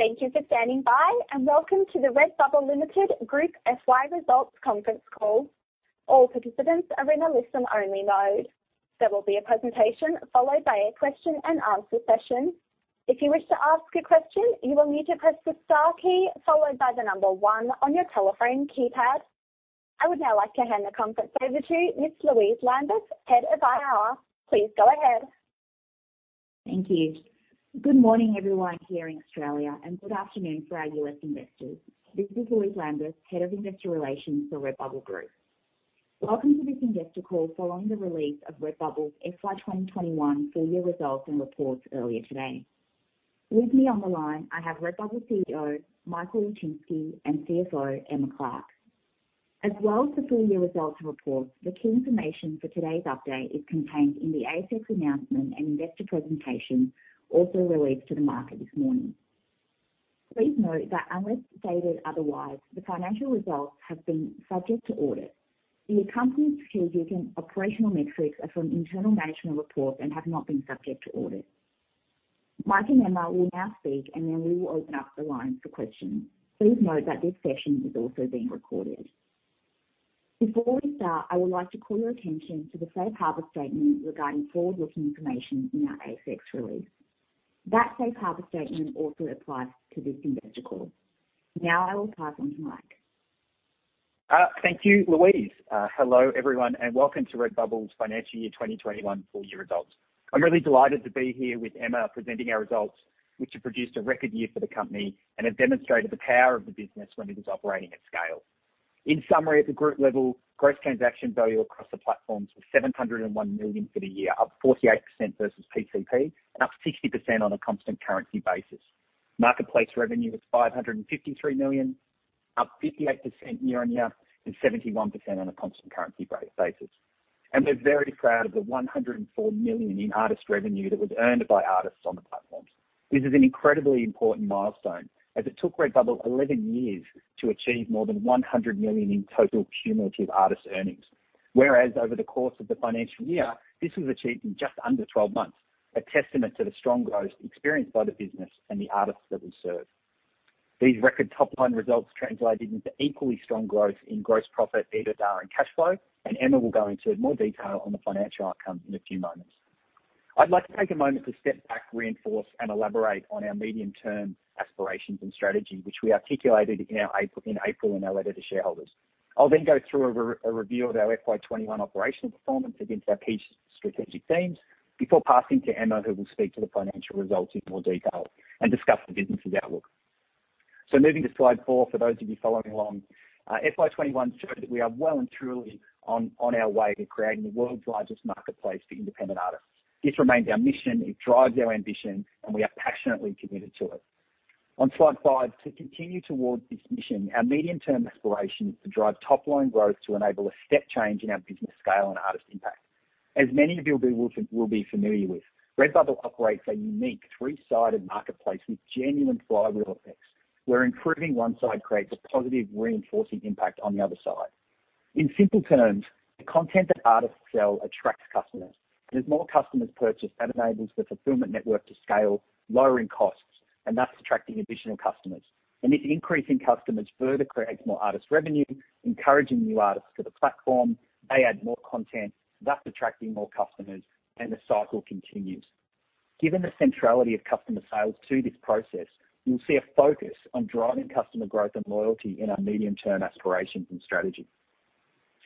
Thank you for standing by, welcome to the Redbubble Limited Group FY Results Conference Call. All participants are in a listen-only mode. There will be a presentation followed by a question and answer session. If you wish to ask a question, you will need to press the star key followed by the number one on your telephone keypad. I would now like to hand the conference over to Ms. Louise Lambeth, Head of IR. Please go ahead. Thank you. Good morning, everyone here in Australia, and good afternoon for our U.S. investors. This is Louise Lambeth, Head of Investor Relations for Redbubble Group. Welcome to this investor call following the release of Redbubble's FY 2021 Full Year Results and Reports earlier today. With me on the line, I have Redbubble CEO, Michael Ilczynski and CFO, Emma Clark. As well as the full year results and reports, the key information for today's update is contained in the ASX announcement and investor presentation, also released to the market this morning. Please note that unless stated otherwise, the financial results have been subject to audit. The accompanying strategic and operational metrics are from internal management reports and have not been subject to audit. Mike and Emma will now speak, then we will open up the lines for questions. Please note that this session is also being recorded. Before we start, I would like to call your attention to the safe harbor statement regarding forward-looking information in our ASX release. That safe harbor statement also applies to this investor call. Now I will pass on to Mike. Thank you, Louise. Hello, everyone, and welcome to Redbubble's financial year 2021 full year results. I'm really delighted to be here with Emma presenting our results, which have produced a record year for the company and have demonstrated the power of the business when it is operating at scale. In summary, at the group level, gross transaction value across the platforms was 701 million for the year, up 48% versus PCP and up 60% on a constant currency basis. Marketplace revenue was 553 million, up 58% year on year and 71% on a constant currency basis. We're very proud of the 104 million in artist revenue that was earned by artists on the platforms. This is an incredibly important milestone, as it took Redbubble 11 years to achieve more than 100 million in total cumulative artist earnings. Over the course of the financial year, this was achieved in just under 12 months, a testament to the strong growth experienced by the business and the artists that we serve. These record top-line results translated into equally strong growth in gross profit, EBITDA, and cash flow. Emma will go into more detail on the financial outcomes in a few moments. I'd like to take a moment to step back, reinforce, and elaborate on our medium-term aspirations and strategy, which we articulated in April in our letter to shareholders. I'll then go through a review of our FY 2021 operational performance against our key strategic themes before passing to Emma, who will speak to the financial results in more detail and discuss the business's outlook. Moving to slide four for those of you following along. FY 2021 showed that we are well and truly on our way to creating the world's largest marketplace for independent artists. This remains our mission. It drives our ambition, and we are passionately committed to it. On slide five, to continue towards this mission, our medium-term aspiration is to drive top-line growth to enable a step change in our business scale and artist impact. As many of you will be familiar with, Redbubble operates a unique three-sided marketplace with genuine flywheel effects, where improving one side creates a positive reinforcing impact on the other side. In simple terms, the content that artists sell attracts customers, and as more customers purchase, that enables the fulfillment network to scale, lowering costs, and thus attracting additional customers. This increase in customers further creates more artist revenue, encouraging new artists to the platform. They add more content, thus attracting more customers, and the cycle continues. Given the centrality of customer sales to this process, you'll see a focus on driving customer growth and loyalty in our medium-term aspirations and strategy.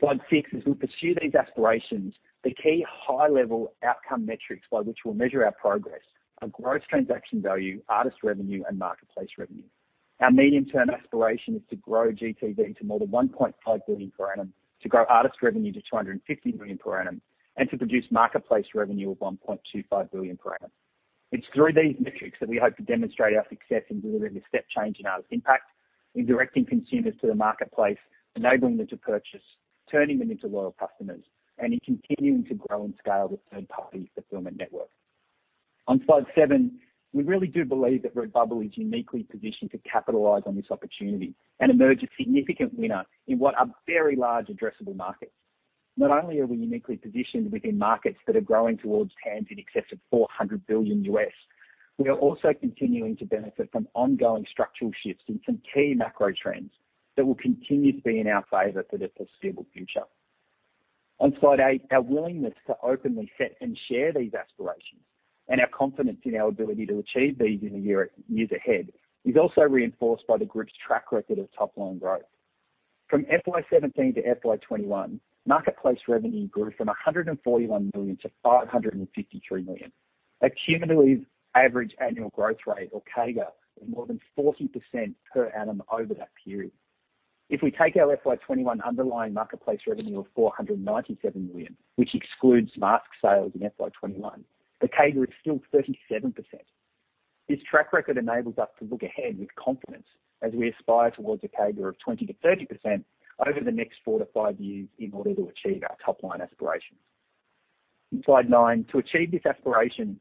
Slide six. As we pursue these aspirations, the key high-level outcome metrics by which we'll measure our progress are gross transaction value, artist revenue, and marketplace revenue. Our medium-term aspiration is to grow GTV to more than 1.5 billion per annum, to grow artist revenue to 250 million per annum, and to produce marketplace revenue of 1.25 billion per annum. It's through these metrics that we hope to demonstrate our success in delivering a step change in our impact in directing consumers to the marketplace, enabling them to purchase, turning them into loyal customers, and in continuing to grow and scale the third-party fulfillment network. On slide seven, we really do believe that Redbubble is uniquely positioned to capitalize on this opportunity and emerge a significant winner in what are very large addressable markets. Not only are we uniquely positioned within markets that are growing towards TAMs in excess of $400 billion, we are also continuing to benefit from ongoing structural shifts in some key macro trends that will continue to be in our favor for the foreseeable future. On slide eight, our willingness to openly set and share these aspirations and our confidence in our ability to achieve these in the years ahead is also reinforced by the group's track record of top-line growth. From FY 2017 to FY 2021, marketplace revenue grew from 141 million to 553 million. A cumulative average annual growth rate, or CAGR, of more than 40% per annum over that period. If we take our FY 2021 underlying marketplace revenue of 497 million, which excludes mask sales in FY 2021, the CAGR is still 37%. This track record enables us to look ahead with confidence as we aspire towards a CAGR of 20%-30% over the next four to five years in order to achieve our top-line aspirations. In slide nine, to achieve this aspiration,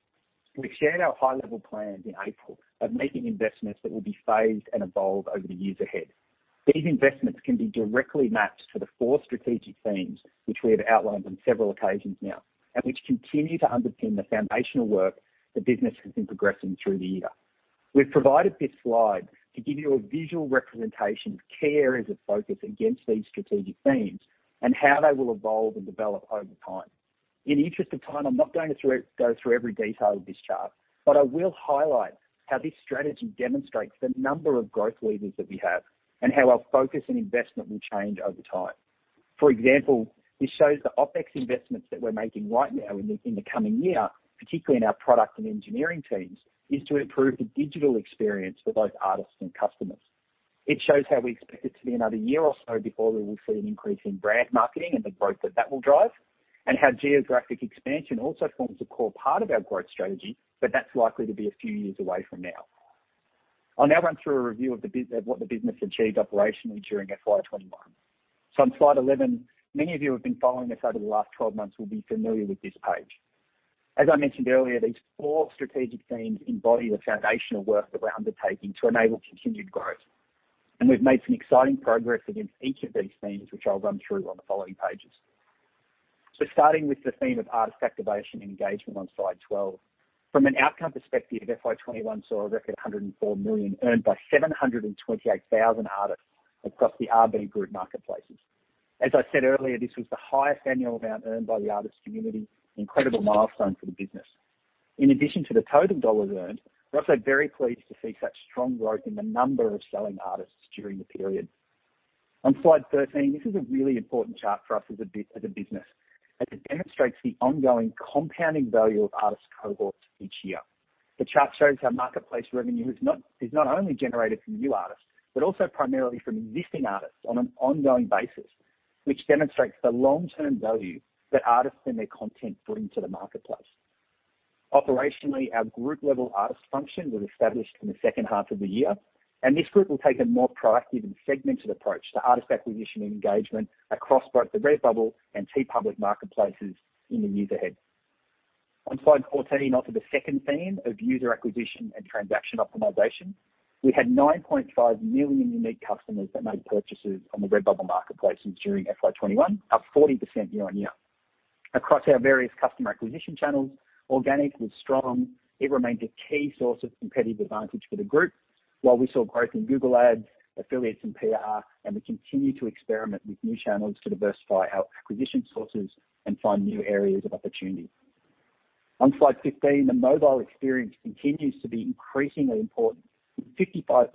we've shared our high-level plans in April of making investments that will be phased and evolve over the years ahead. These investments can be directly mapped to the four strategic themes which we have outlined on several occasions now, and which continue to underpin the foundational work the business has been progressing through the year. We've provided this slide to give you a visual representation of key areas of focus against these strategic themes and how they will evolve and develop over time. In the interest of time, I'm not going to go through every detail of this chart, I will highlight how this strategy demonstrates the number of growth levers that we have and how our focus and investment will change over time. For example, this shows the OpEx investments that we're making right now in the, in the coming year, particularly in our product and engineering teams, is to improve the digital experience for both artists and customers. It shows how we expect it to be another year or so before we will see an increase in brand marketing and the growth that that will drive, and how geographic expansion also forms a core part of our growth strategy, but that's likely to be a few years away from now. I'll now run through a review of what the business achieved operationally during FY 2021. On slide 11, many of you who have been following us over the last 12 months will be familiar with this page. As I mentioned earlier, these four strategic themes embody the foundational work that we're undertaking to enable continued growth. We've made some exciting progress against each of these themes, which I'll run through on the following pages. Starting with the theme of artist activation and engagement on slide 12. From an outcome perspective, FY 2021 saw a record 104 million earned by 728,000 artists across the RB Group marketplaces. As I said earlier, this was the highest annual amount earned by the artist community, an incredible milestone for the business. In addition to the total AUD earned, we're also very pleased to see such strong growth in the number of selling artists during the period. On slide 13, this is a really important chart for us as a business, as it demonstrates the ongoing compounding value of artist cohorts each year. The chart shows how marketplace revenue is not only generated from new artists, but also primarily from existing artists on an ongoing basis, which demonstrates the long-term value that artists and their content bring to the marketplace. Operationally, our group-level artist function was established in the second half of the year. This group will take a more proactive and segmented approach to artist acquisition and engagement across both the Redbubble and TeePublic marketplaces in the years ahead. On slide 14, onto the second theme of user acquisition and transaction optimization. We had 9.5 million unique customers that made purchases on the Redbubble marketplaces during FY 2021, up 40% year-on-year. Across our various customer acquisition channels, organic was strong. It remains a key source of competitive advantage for the group. While we saw growth in Google Ads, affiliates, and PR, we continue to experiment with new channels to diversify our acquisition sources and find new areas of opportunity. On slide 15, the mobile experience continues to be increasingly important. 55%,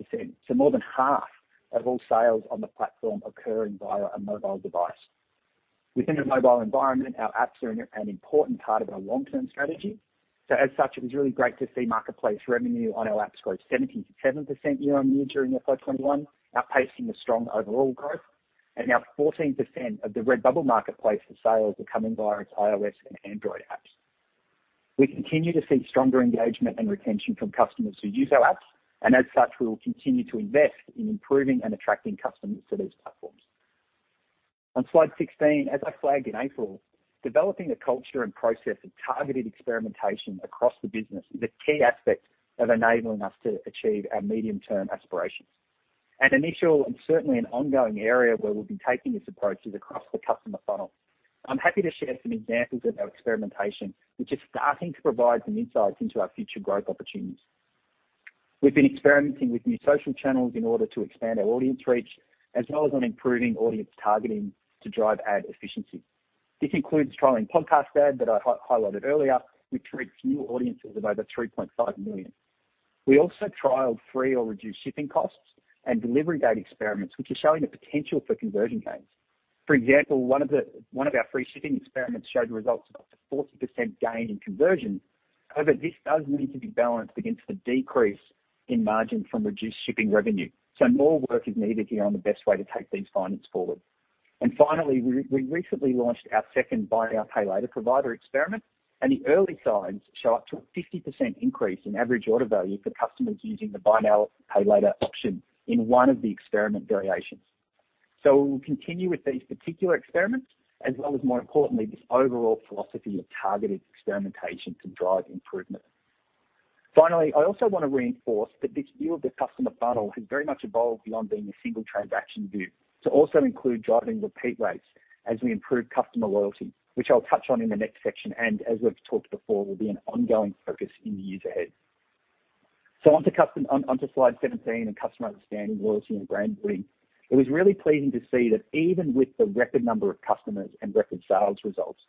so more than half of all sales on the platform occurring via a mobile device. Within a mobile environment, our apps are an important part of our long-term strategy. As such, it was really great to see marketplace revenue on our apps grow 77% year-on-year during FY 2021, outpacing the strong overall growth. Now 14% of the Redbubble marketplace for sales are coming via its iOS and Android apps. We continue to see stronger engagement and retention from customers who use our apps, as such, we will continue to invest in improving and attracting customers to these platforms. On slide 16, as I flagged in April, developing the culture and process of targeted experimentation across the business is a key aspect of enabling us to achieve our medium-term aspirations. An initial and certainly an ongoing area where we'll be taking this approach is across the customer funnel. I'm happy to share some examples of our experimentation, which is starting to provide some insights into our future growth opportunities. We've been experimenting with new social channels in order to expand our audience reach, as well as on improving audience targeting to drive ad efficiency. This includes trialing podcast ad that I highlighted earlier, which reached new audiences of over 3.5 million. We also trialed free or reduced shipping costs and delivery date experiments, which are showing the potential for conversion gains. For example, one of our free shipping experiments showed results of up to 40% gain in conversion. However, this does need to be balanced against the decrease in margin from reduced shipping revenue. More work is needed here on the best way to take these findings forward. Finally, we recently launched our second buy now, pay later provider experiment, and the early signs show up to a 50% increase in average order value for customers using the buy now, pay later option in one of the experiment variations. We will continue with these particular experiments as well as, more importantly, this overall philosophy of targeted experimentation to drive improvement. Finally, I also want to reinforce that this view of the customer funnel has very much evolved beyond being a single transaction view to also include driving repeat rates as we improve customer loyalty, which I'll touch on in the next section, and as we've talked before, will be an ongoing focus in the years ahead. On to slide 17 and customer understanding, loyalty, and brand building. It was really pleasing to see that even with the record number of customers and record sales results,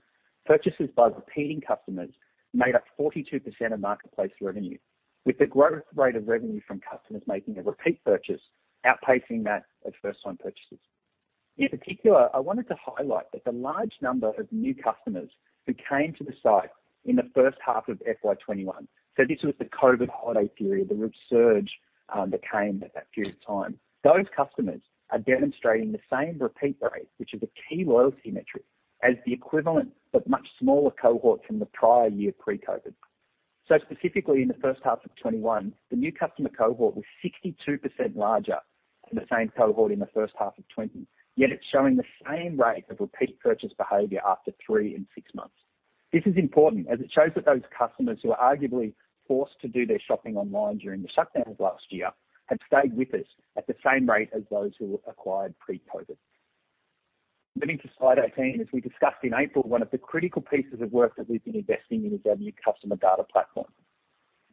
purchases by repeating customers made up 42% of marketplace revenue, with the growth rate of revenue from customers making a repeat purchase outpacing that of first-time purchases. In particular, I wanted to highlight that the large number of new customers who came to the site in the first half of FY 2021. This was the COVID holiday period, the surge that came at that period of time. Those customers are demonstrating the same repeat rate, which is a key loyalty metric, as the equivalent but much smaller cohort from the prior year pre-COVID. Specifically in the first half of 2021, the new customer cohort was 62% larger than the same cohort in the first half of 2020, yet it's showing the same rate of repeat purchase behavior after three and six months. This is important as it shows that those customers who are arguably forced to do their shopping online during the shutdowns last year have stayed with us at the same rate as those who acquired pre-COVID. Moving to slide 18. As we discussed in April, one of the critical pieces of work that we've been investing in is our new customer data platform.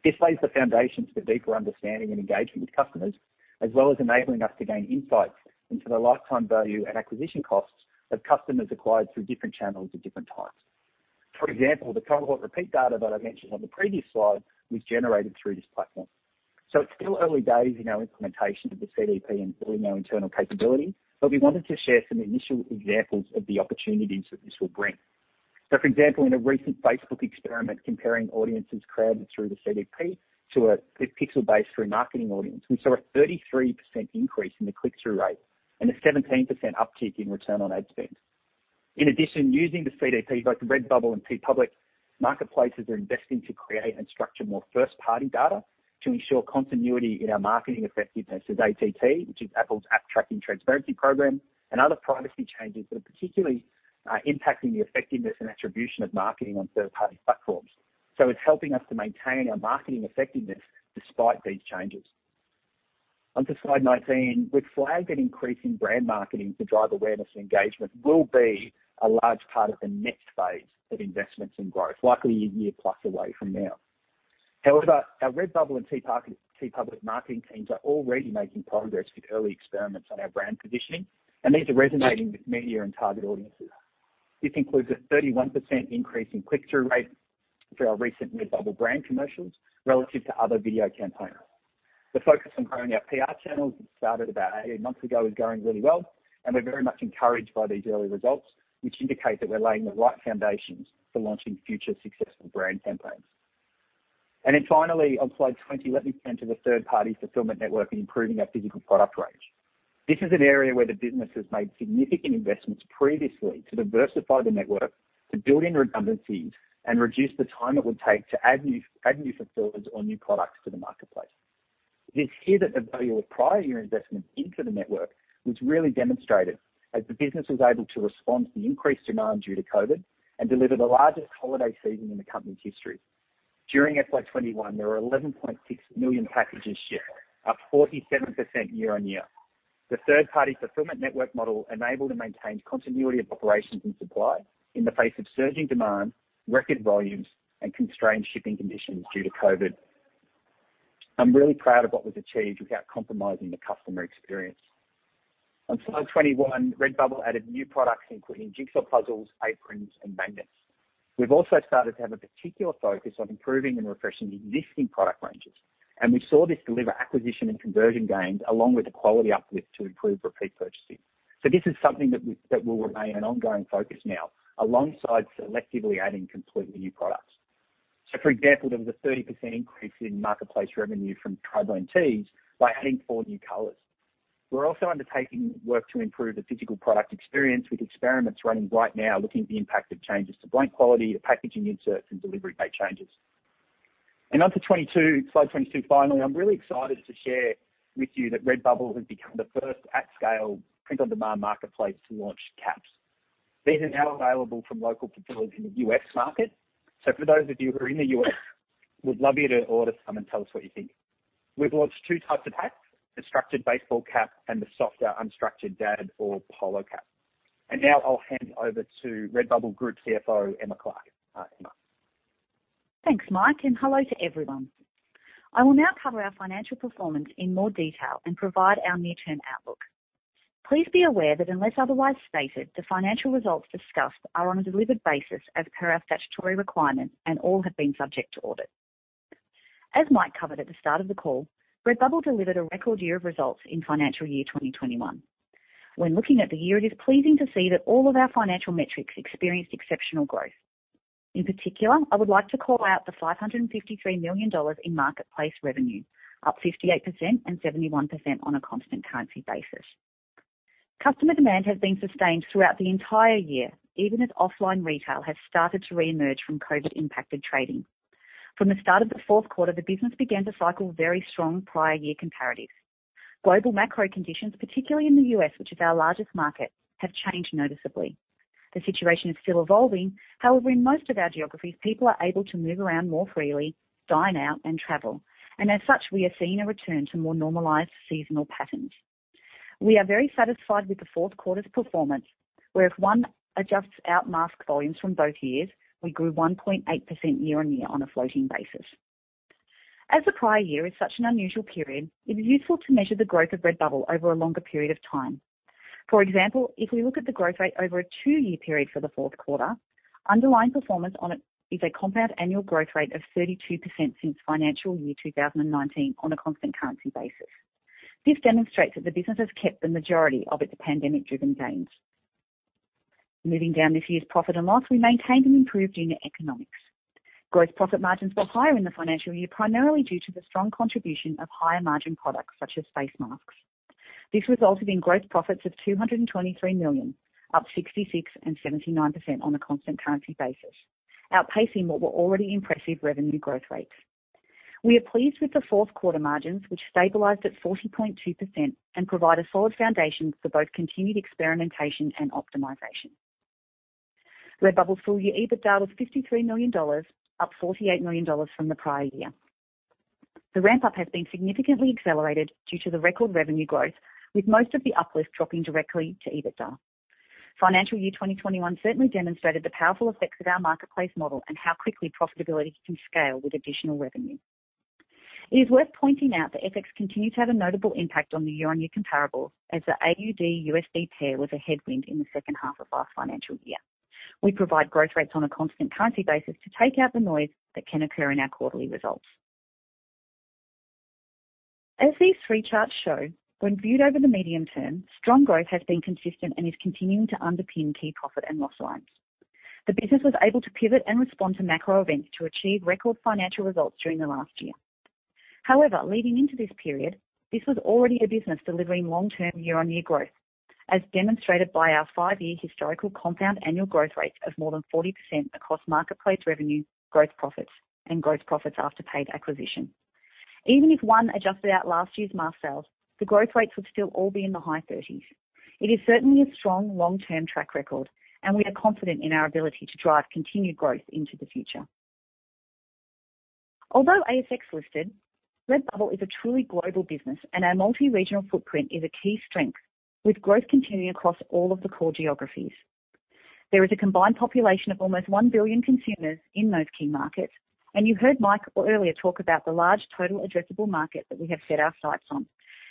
This lays the foundation for deeper understanding and engagement with customers, as well as enabling us to gain insights into the lifetime value and acquisition costs that customers acquired through different channels at different times. For example, the cohort repeat data that I mentioned on the previous slide was generated through this platform. It's still early days in our implementation of the CDP and building our internal capability, but we wanted to share some initial examples of the opportunities that this will bring. For example, in a recent Facebook experiment comparing audiences created through the CDP to a pixel-based remarketing audience, we saw a 33% increase in the click-through rate and a 17% uptick in return on ad spend. In addition, using the CDP, both Redbubble and TeePublic marketplaces are investing to create and structure more first-party data to ensure continuity in our marketing effectiveness as ATT, which is Apple's App Tracking Transparency program, and other privacy changes that are particularly impacting the effectiveness and attribution of marketing on third-party platforms. It's helping us to maintain our marketing effectiveness despite these changes. Onto slide 19. We've flagged an increase in brand marketing to drive awareness and engagement will be a large part of the next phase of investments in growth, likely a year plus away from now. However, our Redbubble and TeePublic marketing teams are already making progress with early experiments on our brand positioning, and these are resonating with media and target audiences. This includes a 31% increase in click-through rate for our recent Redbubble brand commercials relative to other video campaigns. The focus on growing our PR channels, which started about 18 months ago, is going really well, and we're very much encouraged by these early results, which indicate that we're laying the right foundations for launching future successful brand campaigns. Finally, on slide 20, let me turn to the third-party fulfillment network and improving our physical product range. This is an area where the business has made significant investments previously to diversify the network, to build in redundancies, and reduce the time it would take to add new fulfillers or new products to the marketplace. This here that the value of prior year investments into the network was really demonstrated as the business was able to respond to the increased demand due to COVID and deliver the largest holiday season in the company's history. During FY 2021, there were 11.6 million packages shipped, up 47% year-on-year. The third-party fulfillment network model enabled and maintained continuity of operations and supply in the face of surging demand, record volumes, and constrained shipping conditions due to COVID. I'm really proud of what was achieved without compromising the customer experience. On slide 21, Redbubble added new products including jigsaw puzzles, aprons, and magnets. We've also started to have a particular focus on improving and refreshing existing product ranges, and we saw this deliver acquisition and conversion gains along with the quality uplift to improve repeat purchasing. This is something that will remain an ongoing focus now, alongside selectively adding completely new products. For example, there was a 30% increase in marketplace revenue from tri-blend tees by adding four new colors. We're also undertaking work to improve the physical product experience with experiments running right now, looking at the impact of changes to blank quality, the packaging inserts, and delivery date changes. On to 22, slide 22, finally, I'm really excited to share with you that Redbubble has become the first at-scale print-on-demand marketplace to launch caps. These are now available from local fulfillers in the U.S. market. For those of you who are in the U.S., would love you to order some and tell us what you think. We've launched two types of hats: the structured baseball cap and the softer, unstructured dad or polo cap. Now I'll hand over to Redbubble Group CFO, Emma Clark. Emma. Thanks, Mike, and hello to everyone. I will now cover our financial performance in more detail and provide our near-term outlook. Please be aware that unless otherwise stated, the financial results discussed are on a delivered basis as per our statutory requirements and all have been subject to audit. As Mike covered at the start of the call, Redbubble delivered a record year of results in financial year 2021. When looking at the year, it is pleasing to see that all of our financial metrics experienced exceptional growth. In particular, I would like to call out the 553 million dollars in marketplace revenue, up 58% and 71% on a constant currency basis. Customer demand has been sustained throughout the entire year, even as offline retail has started to re-emerge from COVID-impacted trading. From the start of the fourth quarter, the business began to cycle very strong prior year comparatives. Global macro conditions, particularly in the U.S., which is our largest market, have changed noticeably. The situation is still evolving. However, in most of our geographies, people are able to move around more freely, dine out, and travel. As such, we are seeing a return to more normalized seasonal patterns. We are very satisfied with the fourth quarter's performance, where if one adjusts out mask volumes from both years, we grew 1.8% year-on-year on a floating basis. As the prior year is such an unusual period, it is useful to measure the growth of Redbubble over a longer period of time. For example, if we look at the growth rate over a two year period for the fourth quarter, underlying performance is a compound annual growth rate of 32% since financial year 2019 on a constant currency basis. This demonstrates that the business has kept the majority of its pandemic-driven gains. Moving down this year's profit and loss, we maintained and improved unit economics. Gross profit margins were higher in the financial year, primarily due to the strong contribution of higher-margin products such as face masks. This resulted in gross profits of AUD 223 million, up 66% and 79% on a constant currency basis, outpacing what were already impressive revenue growth rates. We are pleased with the fourth quarter margins, which stabilized at 40.2% and provide a solid foundation for both continued experimentation and optimization. Redbubble's full-year EBITDA was 53 million dollars, up 48 million dollars from the prior year. The ramp-up has been significantly accelerated due to the record revenue growth, with most of the uplift dropping directly to EBITDA. Financial year 2021 certainly demonstrated the powerful effects of our marketplace model and how quickly profitability can scale with additional revenue. It is worth pointing out that FX continued to have a notable impact on the year-over-year comparables as the AUD/USD pair was a headwind in the second half of our financial year. We provide growth rates on a constant currency basis to take out the noise that can occur in our quarterly results. As these three charts show, when viewed over the medium term, strong growth has been consistent and is continuing to underpin key profit and loss lines. The business was able to pivot and respond to macro events to achieve record financial results during the last year. However, leading into this period, this was already a business delivering long-term year-on-year growth, as demonstrated by our five year historical CAGR of more than 40 across marketplace revenue, gross profits, and gross profits after paid acquisition. Even if one adjusted out last year's mask sales, the growth rates would still all be in the high 30s. It is certainly a strong long-term track record, and we are confident in our ability to drive continued growth into the future. Although ASX listed, Redbubble is a truly global business, and our multi-regional footprint is a key strength, with growth continuing across all of the core geographies. There is a combined population of almost 1 billion consumers in those key markets. You heard Mike earlier talk about the large total addressable market that we have set our sights on.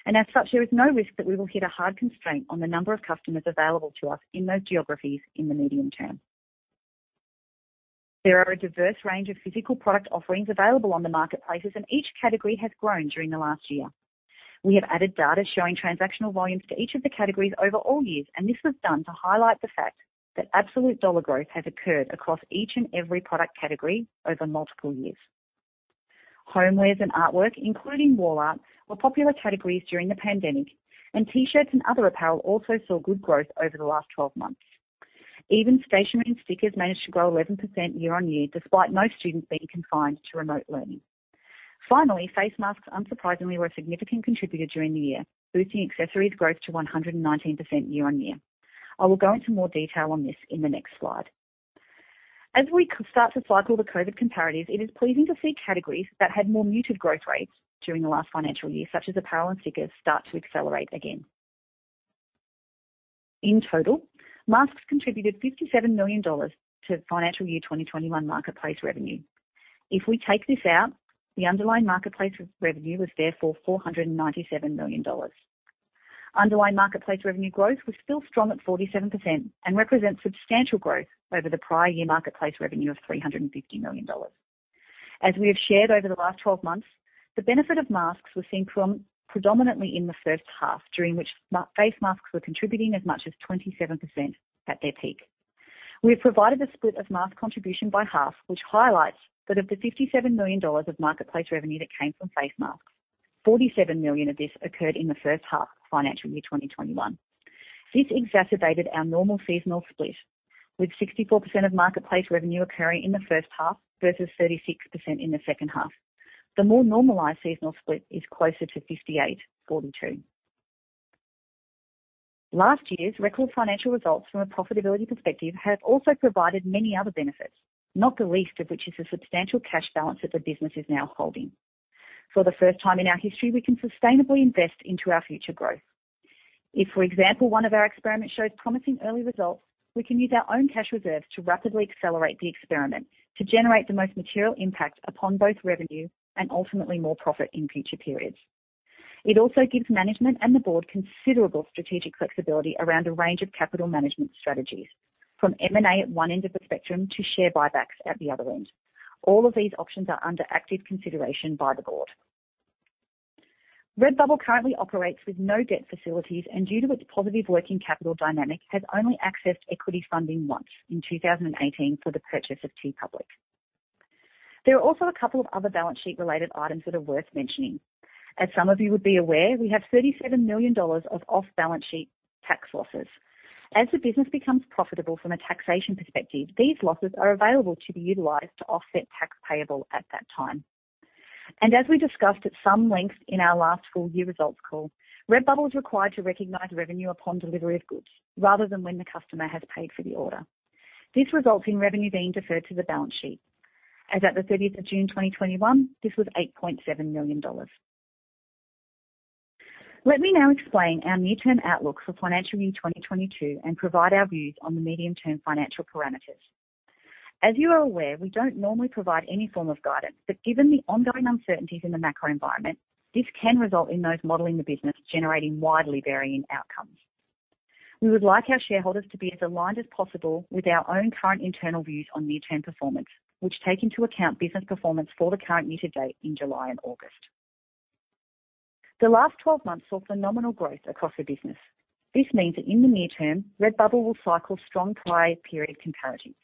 As such, there is no risk that we will hit a hard constraint on the number of customers available to us in those geographies in the medium term. There are a diverse range of physical product offerings available on the marketplaces, and each category has grown during the last year. We have added data showing transactional volumes to each of the categories over all years, and this was done to highlight the fact that absolute dollar growth has occurred across each and every product category over multiple years. Homewares and artwork, including wall art, were popular categories during the pandemic, and T-shirts and other apparel also saw good growth over the last 12 months. Even stationery and stickers managed to grow 11% year-on-year, despite most students being confined to remote learning. Face masks, unsurprisingly, were a significant contributor during the year, boosting accessories growth to 119% year-on-year. I will go into more detail on this in the next slide. As we start to cycle the COVID comparatives, it is pleasing to see categories that had more muted growth rates during the last financial year, such as apparel and stickers, start to accelerate again. In total, masks contributed 57 million dollars to financial year 2021 marketplace revenue. If we take this out, the underlying marketplace revenue was therefore 497 million dollars. Underlying marketplace revenue growth was still strong at 47% and represents substantial growth over the prior year marketplace revenue of 350 million dollars. As we have shared over the last 12 months, the benefit of masks was seen predominantly in the first half, during which face masks were contributing as much as 27% at their peak. We have provided a split of mask contribution by half, which highlights that of the 57 million dollars of marketplace revenue that came from face masks, 47 million of this occurred in the first half of financial year 2021. This exacerbated our normal seasonal split, with 64% of marketplace revenue occurring in the first half versus 36% in the second half. The more normalized seasonal split is closer to 58/42. Last year's record financial results from a profitability perspective have also provided many other benefits, not the least of which is the substantial cash balance that the business is now holding. For the first time in our history, we can sustainably invest into our future growth. If, for example, one of our experiments shows promising early results, we can use our own cash reserves to rapidly accelerate the experiment to generate the most material impact upon both revenue and ultimately more profit in future periods. It also gives management and the board considerable strategic flexibility around a range of capital management strategies, from M&A at one end of the spectrum to share buybacks at the other end. All of these options are under active consideration by the board. Redbubble currently operates with no debt facilities, and due to its positive working capital dynamic, has only accessed equity funding once in 2018 for the purchase of TeePublic. There are also two other balance sheet-related items that are worth mentioning. As some of you would be aware, we have 37 million dollars of off-balance-sheet tax losses. As the business becomes profitable from a taxation perspective, these losses are available to be utilized to offset tax payable at that time. As we discussed at some length in our last full year results call, Redbubble is required to recognize revenue upon delivery of goods rather than when the customer has paid for the order. This results in revenue being deferred to the balance sheet. As at the 30th of June 2021, this was 8.7 million dollars. Let me now explain our near-term outlook for FY 2022 and provide our views on the medium-term financial parameters. As you are aware, we don't normally provide any form of guidance, but given the ongoing uncertainties in the macro environment, this can result in those modeling the business generating widely varying outcomes. We would like our shareholders to be as aligned as possible with our own current internal views on near-term performance, which take into account business performance for the current year to date in July and August. The last 12 months saw phenomenal growth across the business. This means that in the near term, Redbubble will cycle strong prior period comparatives.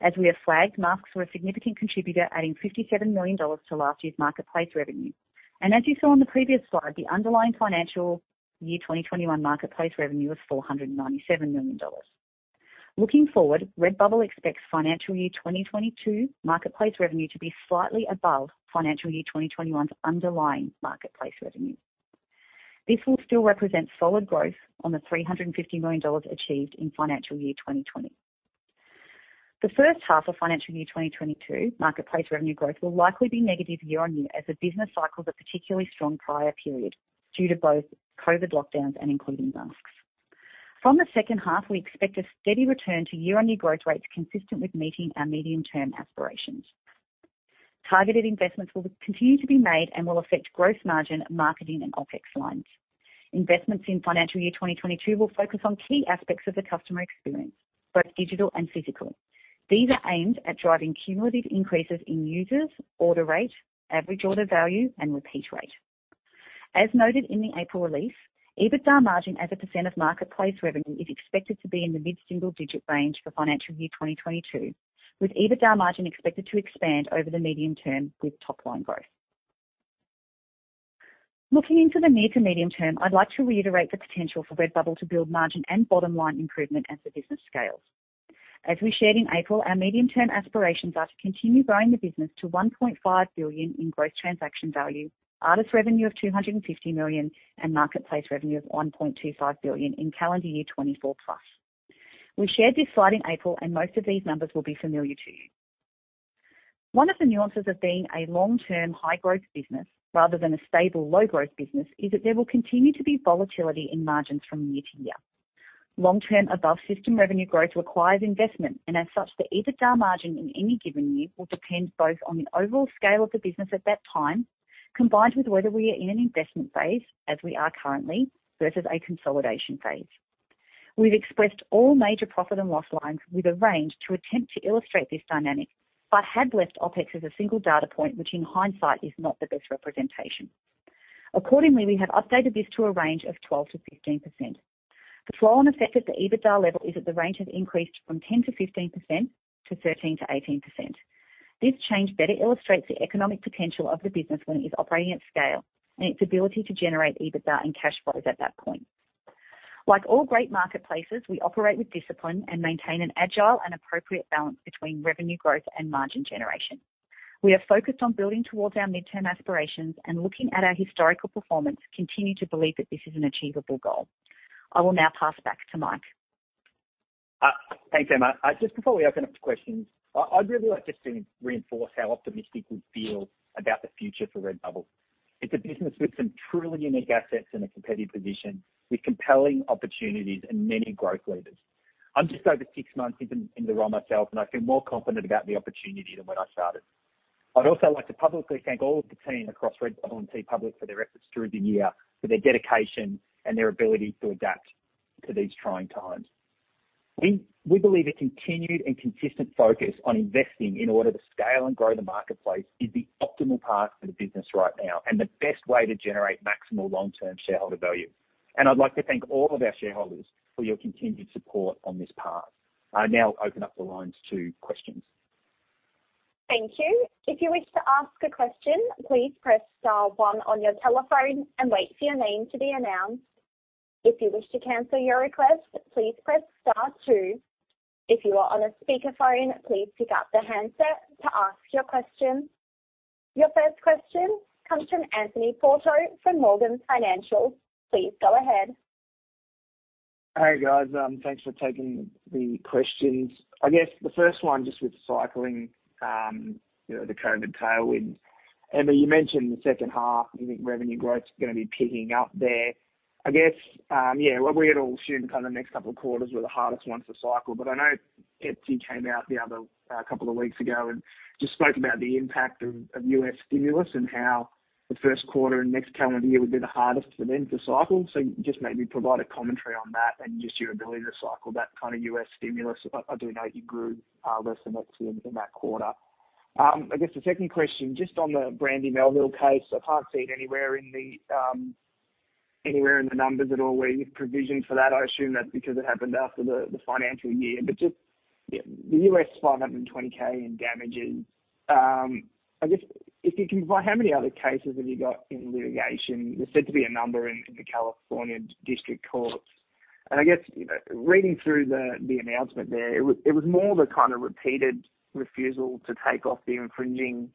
As we have flagged, masks were a significant contributor, adding 57 million dollars to last year's marketplace revenue. As you saw on the previous slide, the underlying financial year 2021 marketplace revenue was 497 million dollars. Looking forward, Redbubble expects financial year 2022 marketplace revenue to be slightly above financial year 2021's underlying marketplace revenue. This will still represent solid growth on the 350 million dollars achieved in financial year 2020. The first half of financial year 2022 marketplace revenue growth will likely be negative year-on-year as the business cycles a particularly strong prior period due to both COVID lockdowns and including masks. From the second half, we expect a steady return to year-on-year growth rates consistent with meeting our medium-term aspirations. Targeted investments will continue to be made and will affect gross margin, marketing and OpEx lines. Investments in financial year 2022 will focus on key aspects of the customer experience, both digital and physical. These are aimed at driving cumulative increases in users, order rate, average order value and repeat rate. As noted in the April release, EBITDA margin as a percentage of marketplace revenue is expected to be in the mid-single digit range for financial year 2022, with EBITDA margin expected to expand over the medium term with top-line growth. Looking into the near to medium term, I'd like to reiterate the potential for Redbubble to build margin and bottom-line improvement as the business scales. As we shared in April, our medium-term aspirations are to continue growing the business to 1.5 billion in gross transaction value, artist revenue of 250 million, and marketplace revenue of 1.25 billion in calendar year 2024 plus. We shared this slide in April, most of these numbers will be familiar to you. One of the nuances of being a long-term high-growth business rather than a stable low-growth business is that there will continue to be volatility in margins from year to year. Long-term above-system revenue growth requires investment, and as such, the EBITDA margin in any given year will depend both on the overall scale of the business at that time, combined with whether we are in an investment phase, as we are currently, versus a consolidation phase. We've expressed all major profit and loss lines with a range to attempt to illustrate this dynamic, but had left OpEx as a single data point, which in hindsight is not the best representation. Accordingly, we have updated this to a range of 12% -1 5%. The flow-on effect at the EBITDA level is that the range has increased from 10% - 15% to 13% - 18%. This change better illustrates the economic potential of the business when it is operating at scale and its ability to generate EBITDA and cash flows at that point. Like all great marketplaces, we operate with discipline and maintain an agile and appropriate balance between revenue growth and margin generation. We are focused on building towards our midterm aspirations and, looking at our historical performance, continue to believe that this is an achievable goal. I will now pass back to Mike. Thanks, Emma. Just before we open up to questions, I'd really like just to reinforce how optimistic we feel about the future for Redbubble. It's a business with some truly unique assets and a competitive position, with compelling opportunities and many growth levers. I'm just over six months into the role myself, and I feel more confident about the opportunity than when I started. I'd also like to publicly thank all of the team across Redbubble and TeePublic for their efforts through the year, for their dedication and their ability to adapt to these trying times. We believe a continued and consistent focus on investing in order to scale and grow the marketplace is the optimal path for the business right now and the best way to generate maximal long-term shareholder value. I'd like to thank all of our shareholders for your continued support on this path. I'll now open up the lines to questions. Thank you. If you wish to ask a question, please press star one on your telephone and wait for your name to be announced. If you wish to cancel your request, please press star two. If you are on a speakerphone, please pick up the handset to ask your question. Your first question comes from Anthony Porto from Morgans Financial. Please go ahead. Hey, guys. Thanks for taking the questions. I guess the first one, just with cycling, you know, the COVID tailwind. Emma, you mentioned the second half, you think revenue growth is going to be picking up there. I guess, yeah, we're all assuming kind of the next couple of quarters were the hardest ones to cycle, but I know Etsy came out the other couple of weeks ago and just spoke about the impact of U.S. stimulus and how the first quarter and next calendar year would be the hardest for them to cycle. Just maybe provide a commentary on that and just your ability to cycle that kind of U.S. stimulus. I do know you grew less than Etsy in that quarter. I guess the second question, just on the Brandy Melville case. I can't see it anywhere in the numbers at all where you've provisioned for that. I assume that's because it happened after the financial year. Just, yeah, the $520K in damages. I guess if you can provide how many other cases have you got in litigation? There's said to be a number in the California District Courts. I guess reading through the announcement there, it was more the kind of repeated refusal to take off the infringing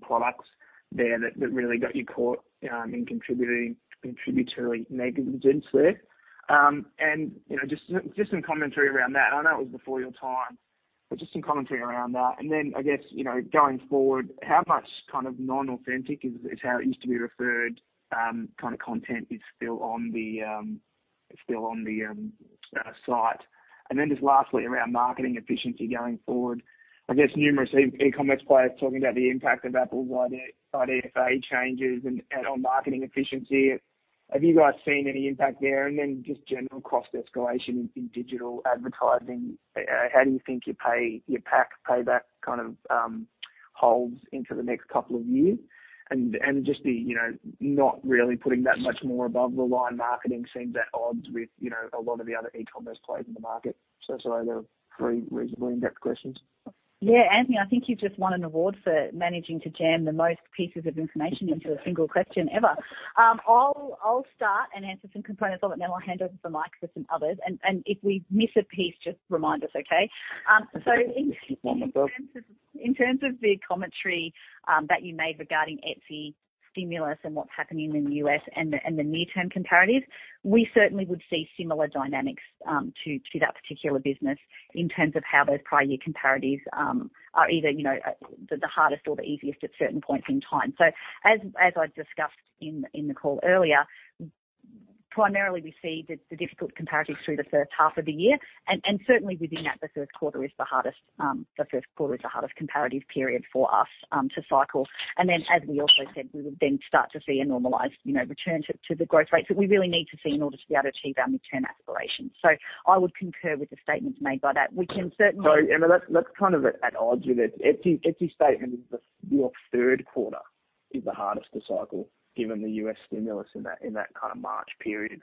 products there that really got you caught in contributory negligence there. You know, just some commentary around that. I know it was before your time, but just some commentary around that. I guess, you know, going forward, how much kind of non-authentic is how it used to be referred, kind of content is still on the site? Just lastly, around marketing efficiency going forward. I guess numerous e-commerce players talking about the impact of Apple's IDFA changes and on marketing efficiency. Have you guys seen any impact there? Just general cost escalation in digital advertising. How do you think your PAC payback kind of holds into the next couple of years? Just the, you know, not really putting that much more above the line marketing seems at odds with, you know, a lot of the other e-commerce players in the market. Sorry, the three reasonably in-depth questions. Anthony, I think you've just won an award for managing to jam the most pieces of information into a single question ever. I'll start and answer some components of it, then I'll hand over to Mike for some others. If we miss a piece, just remind us, okay? In terms of the commentary that you made regarding Etsy stimulus and what's happening in the U.S. and the near-term comparatives, we certainly would see similar dynamics to that particular business in terms of how those prior year comparatives are either, you know, the hardest or the easiest at certain points in time. As I discussed in the call earlier, primarily we see the difficult comparatives through the first half of the year. Certainly within that, the third quarter is the hardest. The first quarter is the hardest comparative period for us to cycle. As we also said, we would then start to see a normalized, you know, return to the growth rates that we really need to see in order to be able to achieve our midterm aspirations. I would concur with the statements made by that. Emma, that's kind of at odds with it. Etsy statement is your third quarter is the hardest to cycle given the U.S. stimulus in that, in that kind of March period.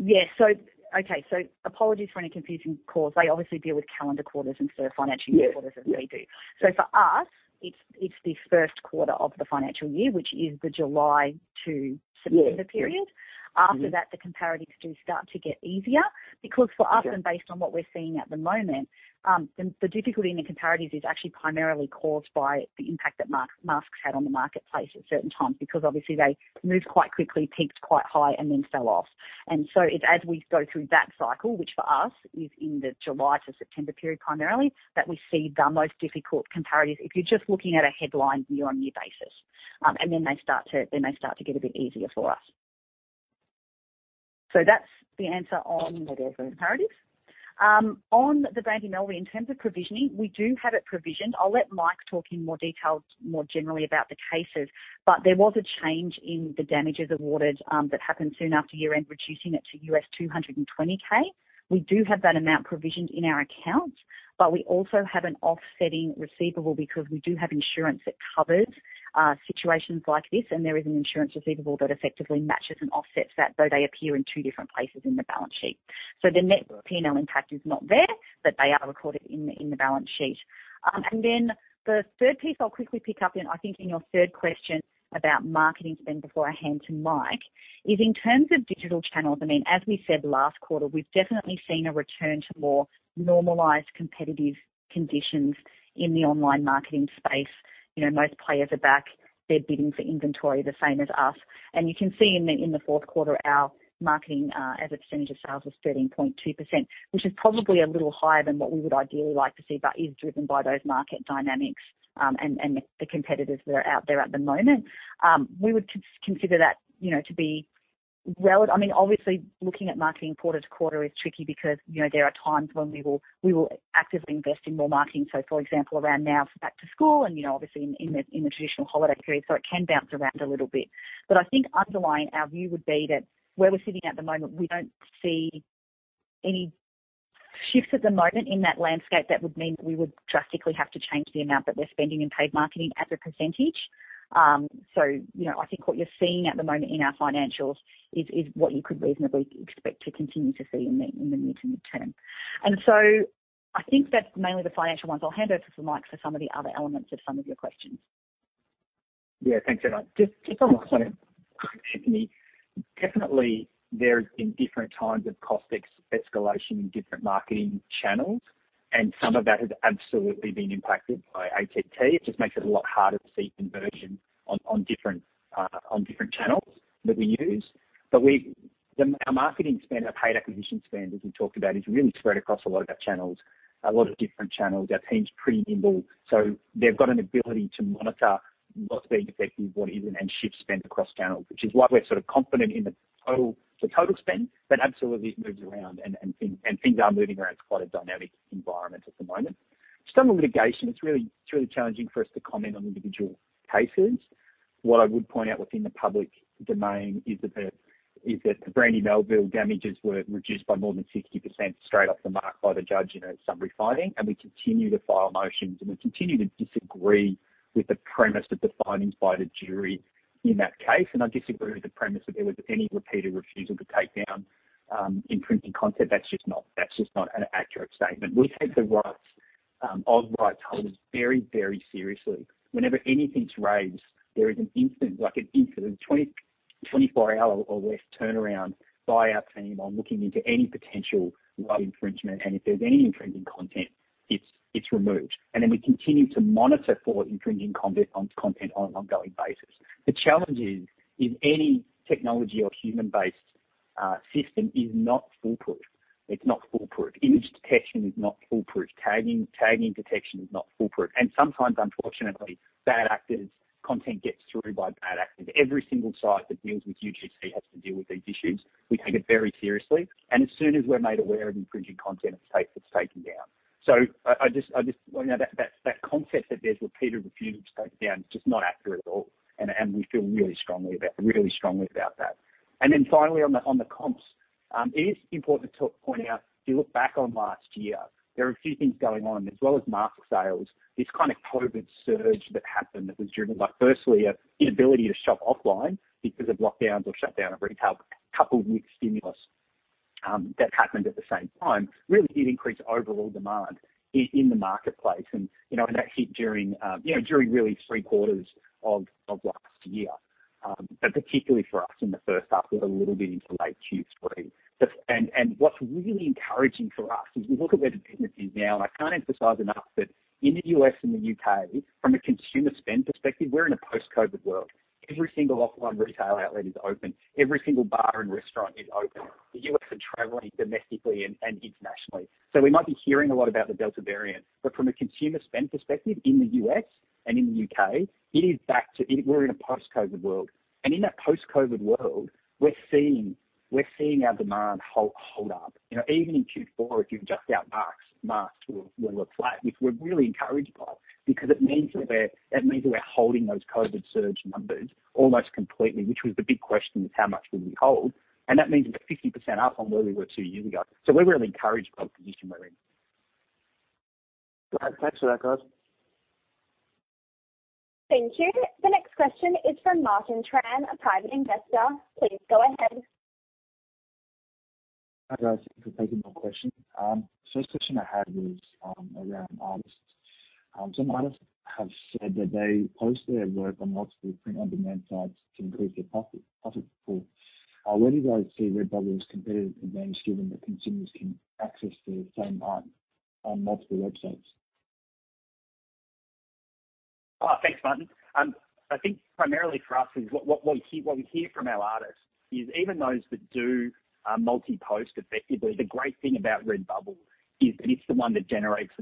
Okay. Apologies for any confusing calls. They obviously deal with calendar quarters instead of financial- Yeah, yeah. Quarters as we do. For us, it's the first quarter of the financial year, which is the July to September period. Yeah. After that, the comparatives do start to get easier because for us, Yeah. And based on what we're seeing at the moment, the difficulty in the comparatives is actually primarily caused by the impact that masks had on the marketplace at certain times, because obviously they moved quite quickly, peaked quite high and then fell off. It's as we go through that cycle, which for us is in the July to September period primarily, that we see the most difficult comparatives if you're just looking at a headline year-on-year basis. Then they start to get a bit easier for us. That's the answer on the comparatives. On the Brandy Melville, in terms of provisioning, we do have it provisioned. I'll let Mike talk in more detail more generally about the cases. There was a change in the damages awarded that happened soon after year-end, reducing it to $220K. We do have that amount provisioned in our accounts, but we also have an offsetting receivable because we do have insurance that covers situations like this, and there is an insurance receivable that effectively matches and offsets that, though they appear in two different places in the balance sheet. The net P&L impact is not there, but they are recorded in the balance sheet. The third piece I'll quickly pick up in, I think in your third question about marketing spend before I hand to Mike, is in terms of digital channels. I mean, as we said last quarter, we've definitely seen a return to more normalized competitive conditions in the online marketing space. You know, most players are back. They're bidding for inventory the same as us. You can see in the fourth quarter, our marketing as a percentage of sales was 13.2%, which is probably a little higher than what we would ideally like to see, but is driven by those market dynamics and the competitors that are out there at the moment. We would consider that, you know, to be valid. I mean, obviously looking at marketing quarter to quarter is tricky because, you know, there are times when we will actively invest in more marketing. For example, around now for back to school and, you know, obviously in the traditional holiday period, it can bounce around a little bit. I think underlying our view would be that where we're sitting at the moment, we don't see any shifts at the moment in that landscape that would mean we would drastically have to change the amount that we're spending in paid marketing as a percentage. You know, I think what you're seeing at the moment in our financials is what you could reasonably expect to continue to see in the near to midterm. I think that's mainly the financial ones. I'll hand over to Mike for some of the other elements of some of your questions. Yeah. Thanks, Emma. Just on the point, Anthony, definitely there's been different times of cost escalation in different marketing channels, Some of that has absolutely been impacted by ATT. It just makes it a lot harder to see conversion on different channels that we use. Our marketing spend, our paid acquisition spend, as we talked about, is really spread across a lot of different channels. Our team's pretty nimble, They've got an ability to monitor what's being effective, what isn't, and shift spend across channels, which is why we're sort of confident in the total spend. Absolutely it moves around and things are moving around. It's quite a dynamic environment at the moment. Just on litigation, it's really challenging for us to comment on individual cases. What I would point out within the public domain is that the Brandy Melville damages were reduced by more than 60% straight off the mark by the judge in a summary finding. We continue to file motions, and we continue to disagree with the premise of the findings by the jury in that case. I disagree with the premise that there was any repeated refusal to take down infringing content. That's just not an accurate statement. We take the rights of rights holders very, very seriously. Whenever anything's raised, there is an instant, like an instant 24-hour or less turnaround by our team on looking into any potential infringement. If there's any infringing content, it's removed. Then we continue to monitor for infringing content on an ongoing basis. The challenge is any technology or human-based system is not foolproof. It's not foolproof. Image detection is not foolproof. Tagging detection is not foolproof. Sometimes unfortunately, content gets through by bad actors. Every single site that deals with UGC has to deal with these issues. We take it very seriously. As soon as we're made aware of infringing content, it's taken down. I just, you know, that concept that there's repeated refusal to take it down is just not accurate at all. We feel really strongly about that. Finally on the, on the comps, it is important to point out, if you look back on last year, there are a few things going on as well as mask sales, this kind of COVID surge that happened that was driven by firstly, an inability to shop offline because of lockdowns or shutdown of retail coupled with stimulus. That happened at the same time really did increase overall demand in the marketplace. You know, and that hit during, you know, during really three quarters of last year. But particularly for us in the first half with a little bit into late Q3. And what's really encouraging for us is we look at where the business is now, and I can't emphasize enough that in the U.S. and the U.K., from a consumer spend perspective, we're in a post-COVID world. Every single offline retail outlet is open. Every single bar and restaurant is open. The U.S. are traveling domestically and internationally. We might be hearing a lot about the Delta variant, but from a consumer spend perspective in the U.S. and in the U.K., we're in a post-COVID world. In that post-COVID world, we're seeing our demand hold up. You know, even in Q4, if you adjust out marks were flat, which we're really encouraged by because it means that we're holding those COVID surge numbers almost completely, which was the big question is, how much would we hold? That means we're 50% up on where we were two years ago. We're really encouraged by the position we're in. Great. Thanks for that, guys. Thank you. The next question is from Martin Tran, a private investor. Please go ahead. Hi, guys. Thank you for taking my question. First question I had was around artists. Some artists have said that they post their work on multiple print-on-demand sites to increase their profit pool. Where do you guys see Redbubble's competitive advantage given that consumers can access the same art on multiple websites? Thanks, Martin. I think primarily for us is what we hear from our artists is even those that do multi-post, effectively the great thing about Redbubble is that it's the one that generates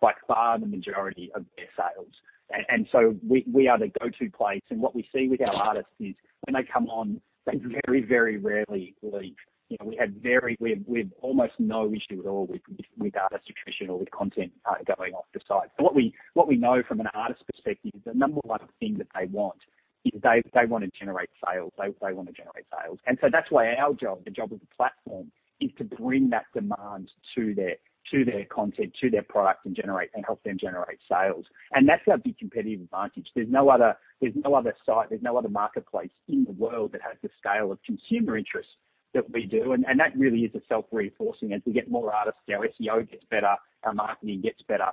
by far the majority of their sales. We are the go-to place. What we see with our artists is when they come on, they very rarely leave. You know, we have almost no issue at all with artist attrition or with content going off the site. What we know from an artist perspective is the number one thing that they want is they wanna generate sales. They wanna generate sales. That's why our job, the job of the platform, is to bring that demand to their, to their content, to their product, and help them generate sales. That's our big competitive advantage. There's no other site, there's no other marketplace in the world that has the scale of consumer interest that we do. That really is a self-reinforcing. As we get more artists, our SEO gets better, our marketing gets better.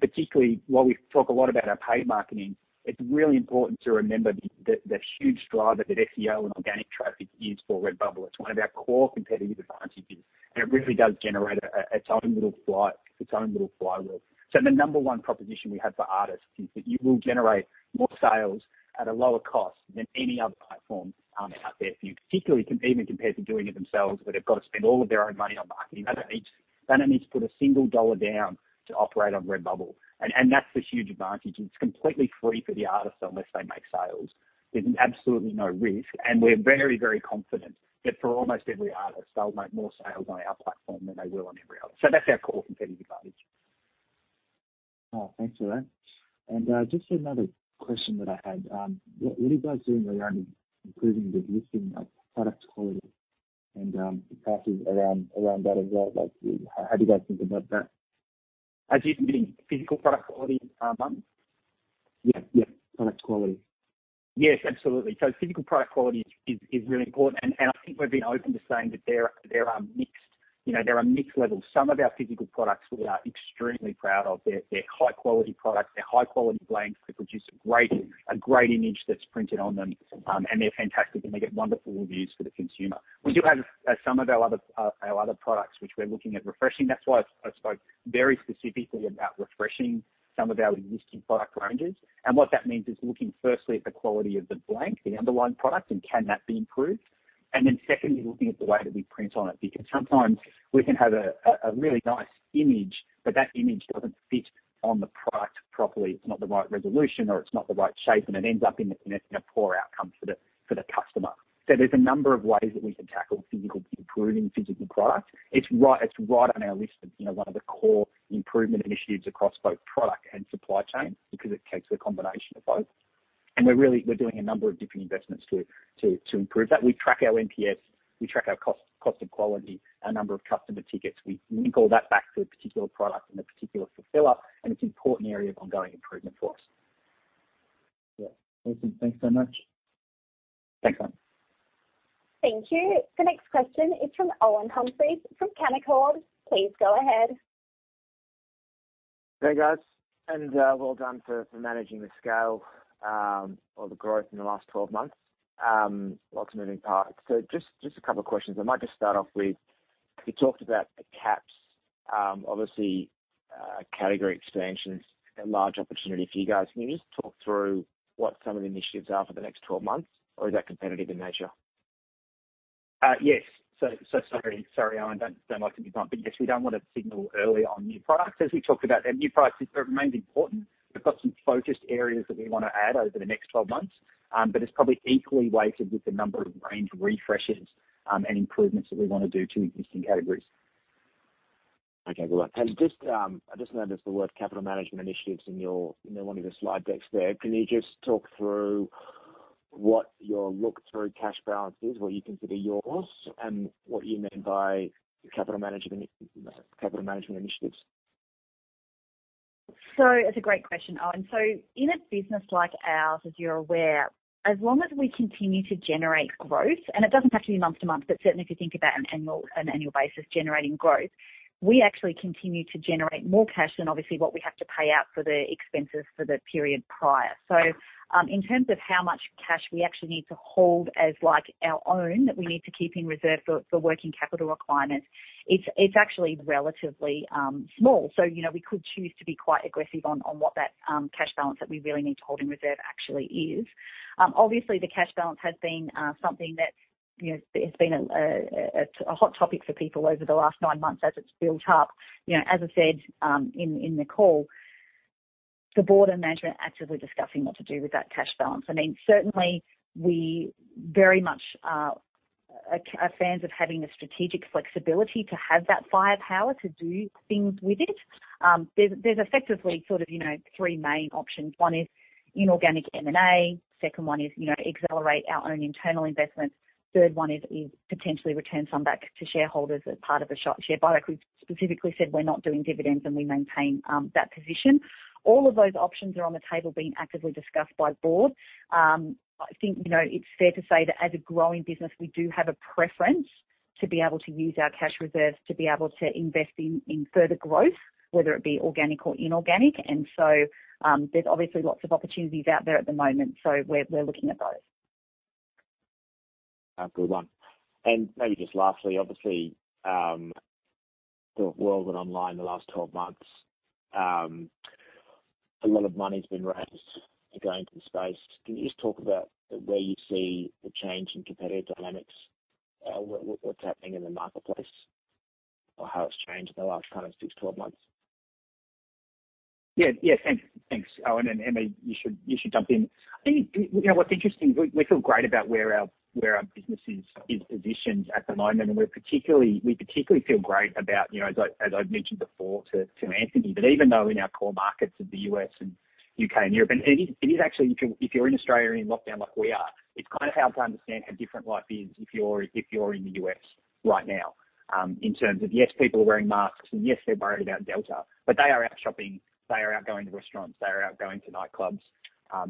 Particularly while we talk a lot about our paid marketing, it's really important to remember the huge driver that SEO and organic traffic is for Redbubble. It's one of our core competitive advantages, and it really does generate its own little flywheel. The number one proposition we have for artists is that you will generate more sales at a lower cost than any other platform out there for you, particularly even compared to doing it themselves, where they've got to spend all of their own money on marketing. They don't need to put AUD 1 down to operate on Redbubble. That's the huge advantage. It's completely free for the artists unless they make sales. There's absolutely no risk, and we're very, very confident that for almost every artist, they'll make more sales on our platform than they will on every other. That's our core competitive advantage. Oh, thanks for that. Just another question that I had. What are you guys doing around improving the listing of product quality and the prices around that as well? Like how do you guys think about that? As you mean physical product quality, Martin? Yeah. Yeah. Product quality. Yes, absolutely. Physical product quality is really important. I think we've been open to saying that there are mixed, you know, there are mixed levels. Some of our physical products we are extremely proud of. They're high-quality products. They're high-quality blanks. They produce a great image that's printed on them. They're fantastic, and they get wonderful reviews for the consumer. We do have some of our other products which we're looking at refreshing. That's why I spoke very specifically about refreshing some of our existing product ranges. What that means is looking firstly at the quality of the blank, the underlying product, and can that be improved. Secondly, looking at the way that we print on it, because sometimes we can have a really nice image, but that image doesn't fit on the product properly. It's not the right resolution or it's not the right shape, and it ends up in a poor outcome for the customer. There's a number of ways that we can tackle improving physical product. It's right on our list of, you know, one of the core improvement initiatives across both product and supply chain because it takes a combination of both. We're really doing a number of different investments to improve that. We track our NPS, we track our cost of quality, our number of customer tickets. We link all that back to a particular product and a particular fulfiller, and it's an important area of ongoing improvement for us. Yeah. Awesome. Thanks so much. Thanks, Martin. Thank you. The next question is from Owen Humphries from Canaccord. Please go ahead. Hey, guys, and well done for managing the scale or the growth in the last 12 months. Lots of moving parts. Just a couple of questions. I might just start off with, you talked about the caps. Obviously, category expansion is a large opportunity for you guys. Can you just talk through what some of the initiatives are for the next 12 months, or is that competitive in nature? Yes. Sorry, Owen. Don't like to be blunt. Yes, we don't want to signal early on new products. As we talked about there, new products remains important. We've got some focused areas that we want to add over the next 12 months. It's probably equally weighted with the number of range refreshes and improvements that we want to do to existing categories. Okay. Good one. Just, I just noticed the word capital management initiatives in your, in one of your slide decks there. Can you just talk through what your look-through cash balance is, what you consider yours, and what you mean by capital management, capital management initiatives? It's a great question. Owen, in a business like ours, as you're aware, as long as we continue to generate growth, and it doesn't have to be month-to-month, but certainly if you think about an annual basis generating growth, we actually continue to generate more cash than obviously what we have to pay out for the expenses for the period prior. In terms of how much cash we actually need to hold as, like, our own, that we need to keep in reserve for working capital requirements, it's actually relatively small. You know, we could choose to be quite aggressive on what that cash balance that we really need to hold in reserve actually is. Obviously the cash balance has been something that, you know, has been a hot topic for people over the last nine months as it's built up. You know, as I said, in the call, the Board and management actively discussing what to do with that cash balance. I mean, certainly we very much are fans of having the strategic flexibility to have that firepower to do things with it. There's effectively sort of, you know, three main options. One is inorganic M&A. Second one is, you know, accelerate our own internal investments. Third one is potentially return some back to shareholders as part of a share buyback. We've specifically said we're not doing dividends, and we maintain that position. All of those options are on the table being actively discussed by Board. I think, you know, it's fair to say that as a growing business, we do have a preference to be able to use our cash reserves to be able to invest in further growth, whether it be organic or inorganic. There's obviously lots of opportunities out there at the moment. We're looking at those. Good one. Maybe just lastly, obviously, the world went online the last 12 months. A lot of money has been raised to go into the space. Can you just talk about where you see the change in competitive dynamics? What's happening in the marketplace or how it's changed in the last kind of six, 12 months? Yeah, yeah. Thanks, thanks. Emma, you should jump in. I think, you know, what's interesting, we feel great about where our business is positioned at the moment. We particularly feel great about, you know, as I've mentioned before to Anthony, even though in our core markets of the U.S. and U.K. and Europe, it is actually if you're in Australia, in lockdown like we are, it's kind of hard to understand how different life is if you're in the U.S. right now, in terms of, yes, people are wearing masks, yes, they're worried about Delta, they are out shopping, they are out going to restaurants, they are out going to nightclubs,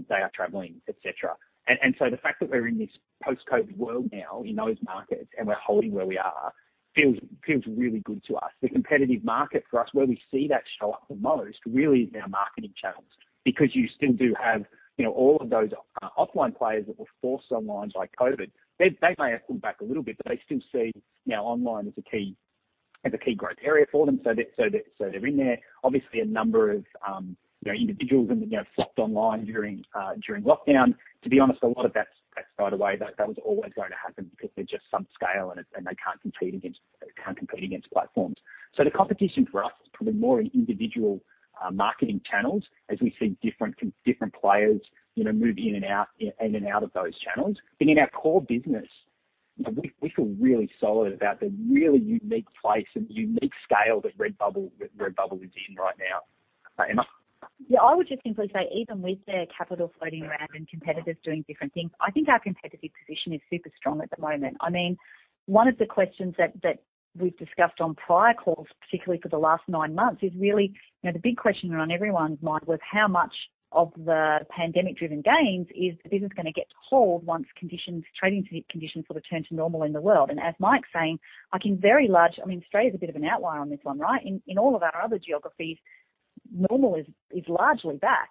they are traveling, et cetera. The fact that we're in this post-COVID world now in those markets and we're holding where we are, feels really good to us. The competitive market for us, where we see that show up the most really is our marketing channels, because you still do have, you know, all of those offline players that were forced online by COVID. They may have pulled back a little bit, but they still see now online as a key growth area for them. They're in there. Obviously a number of, you know, individuals and, you know, flocked online during lockdown. To be honest, a lot of that's right away. That was always going to happen because they're just subscale and they can't compete against platforms. The competition for us is probably more in individual marketing channels as we see different players, you know, move in and out, in and out of those channels. In our core business, you know, we feel really solid about the really unique place and unique scale that Redbubble is in right now, Emma. Yeah, I would just simply say, even with the capital floating around and competitors doing different things, I think our competitive position is super strong at the moment. I mean, one of the questions that we've discussed on prior calls, particularly for the last nine months, is really, you know, the big question on everyone's mind was how much of the pandemic-driven gains is the business gonna get to hold once conditions, trading conditions sort of turn to normal in the world. As Michael's saying, I mean, Australia's a bit of an outlier on this one, right? In all of our other geographies, normal is largely back.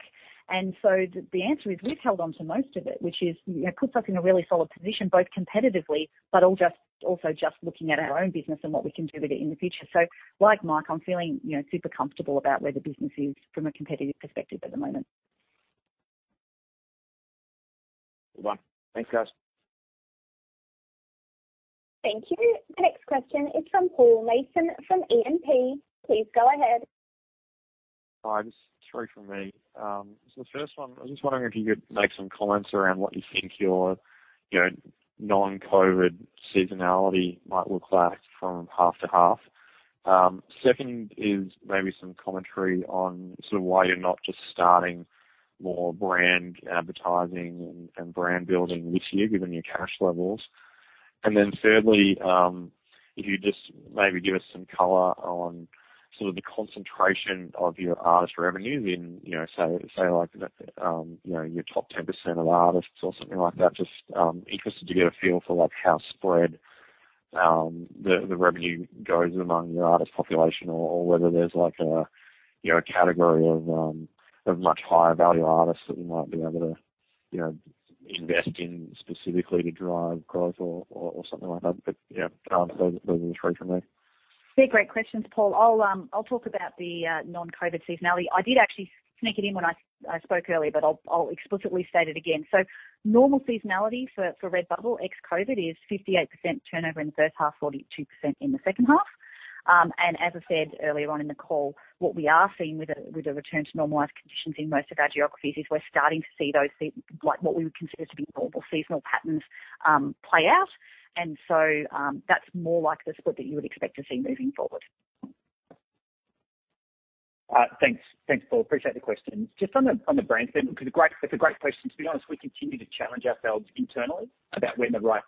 The answer is we've held on to most of it, which is, you know, puts us in a really solid position, both competitively but also just looking at our own business and what we can do with it in the future. Like Mike, I'm feeling, you know, super comfortable about where the business is from a competitive perspective at the moment. Good one. Thanks, guys. Thank you. The next question is from Paul Mason from AMP. Please go ahead. Hi, just three from me. The first one, I'm just wondering if you could make some comments around what you think your, you know, non-COVID seasonality might look like from half to half. Second is maybe some commentary on sort of why you're not just starting more brand advertising and brand building this year given your cash levels. Thirdly, if you just maybe give us some color on sort of the concentration of your artist revenue in, you know, say like, your top 10% of artists or something like that. Just interested to get a feel for like how spread the revenue goes among your artist population or whether there's like a, you know, a category of much higher value artists that you might be able to, you know, invest in specifically to drive growth or something like that. Yeah, those are three from me. They're great questions, Paul. I'll talk about the non-COVID seasonality. I did actually sneak it in when I spoke earlier, but I'll explicitly state it again. Normal seasonality for Redbubble ex-COVID is 58% turnover in the first half, 42% in the second half. As I said earlier on in the call, what we are seeing with the return to normalized conditions in most of our geographies is we're starting to see those like what we would consider to be normal seasonal patterns play out. That's more like the split that you would expect to see moving forward. Thanks. Thanks, Paul. Appreciate the questions. Just on the brand spend, that's a great question. To be honest, we continue to challenge ourselves internally about when the right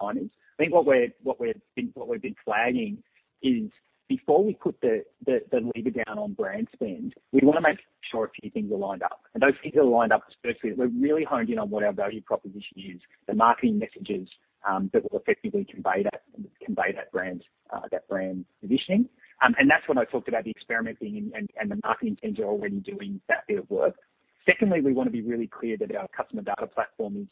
time is. I think what we've been flagging is before we put the lever down on brand spend, we want to make sure a few things are lined up. Those things are lined up. Firstly, we're really honed in on what our value proposition is, the marketing messages that will effectively convey that brand positioning. That's when I talked about the experimenting and the marketing teams are already doing that bit of work. We want to be really clear that our customer data platform is,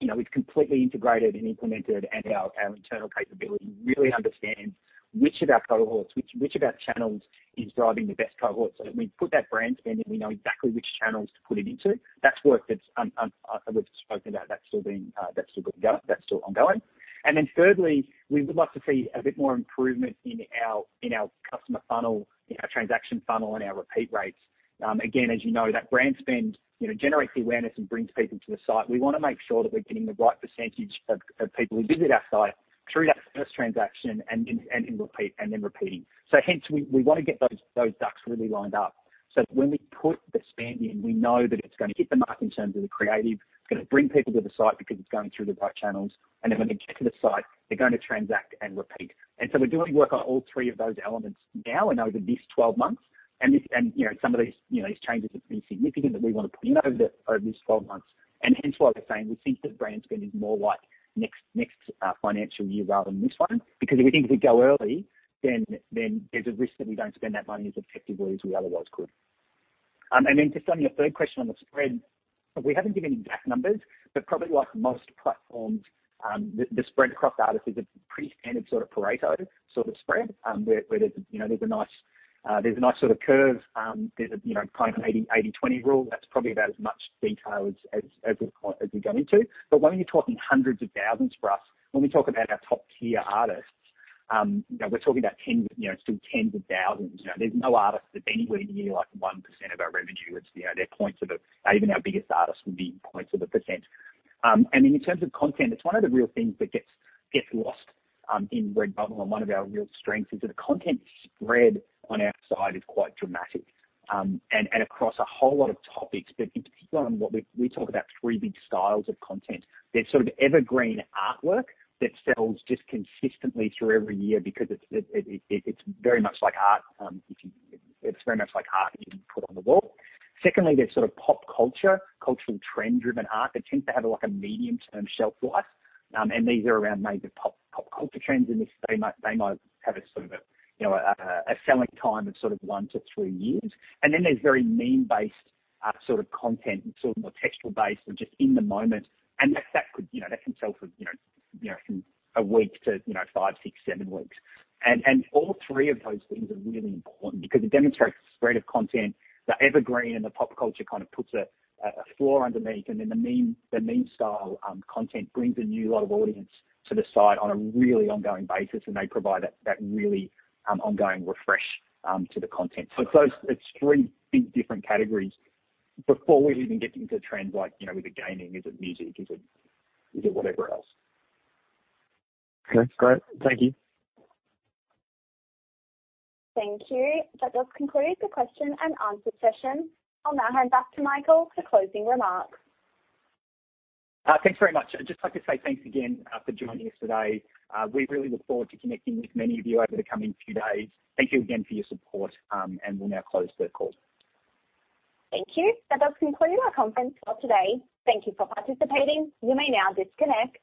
you know, is completely integrated and implemented, and our internal capability really understands which of our cohorts, which of our channels is driving the best cohort so that when we put that brand spend in, we know exactly which channels to put it into. That's work that's, as we've spoken about, that's still good to go, that's still ongoing. Thirdly, we would like to see a bit more improvement in our customer funnel, in our transaction funnel and our repeat rates. Again, as you know, that brand spend, you know, generates the awareness and brings people to the site. We want to make sure that we're getting the right percentage of people who visit our site through that first transaction and in repeat, and then repeating. Hence, we want to get those ducks really lined up, so that when we put the spend in, we know that it's going to hit the mark in terms of the creative. It's going to bring people to the site because it's going through the right channels. When they get to the site, they're going to transact and repeat. We're doing work on all three of those elements now and over this 12 months. You know, some of these, you know, these changes have been significant that we want to put in over this 12 months. Hence why we're saying we think that brand spend is more like next financial year rather than this one. If we think if we go early, then there's a risk that we don't spend that money as effectively as we otherwise could. Then just on your third question on the spread, we haven't given exact numbers, but probably like most platforms, the spread across artists is a pretty standard sort of Pareto Principle, where there's a, you know, there's a nice sort of curve. There's a, you know, kind of 80/20 rule that's probably about as much detail as we'd want, as we'd go into. When you're talking hundreds of thousands for us, when we talk about our top-tier artists, you know, we're talking about 10, you know, sort of tens of thousands. You know, there's no artist that's anywhere near, like 1% of our revenue. It's, you know, they're points of even our biggest artist would be points of a percent. In terms of content, it's one of the real things that gets lost in Redbubble. One of our real strengths is that the content spread on our side is quite dramatic, and across a whole lot of topics. In particular on what we talk about three big styles of content. There's sort of evergreen artwork that sells just consistently through every year because it's very much like art. It's very much like art you can put on the wall. Secondly, there's sort of pop culture, cultural trend-driven art that tends to have like a medium-term shelf life. These are around major pop culture trends, and they might have a sort of a selling time of sort of one to three years. Then there's very meme-based sort of content, sort of more textual based or just in the moment. That could sell from a week to five, six, seven weeks. All three of those things are really important because it demonstrates the spread of content. The evergreen and the pop culture kind of puts a floor underneath. Then the meme, the meme style, content brings a new lot of audience to the site on a really ongoing basis, and they provide that really ongoing refresh to the content. It's those, it's three big different categories before we even get into trends like, you know, is it gaming, is it music, is it, is it whatever else. Okay, great. Thank you. Thank you. That does conclude the question and answer session. I'll now hand back to Michael for closing remarks. Thanks very much. I'd just like to say thanks again for joining us today. We really look forward to connecting with many of you over the coming few days. Thank you again for your support, and we'll now close the call. Thank you. That does conclude our conference call today. Thank you for participating. You may now disconnect.